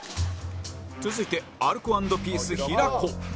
続いてアルコ＆ピース平子